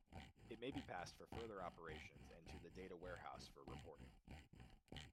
It may be passed for further operations and to the data warehouse for reporting.